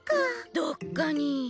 どっかに。